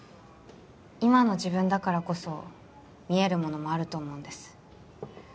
今の自分だからこそ見えるものもあると思うんです